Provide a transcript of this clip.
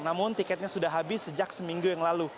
namun tiketnya sudah habis sejak seminggu yang lalu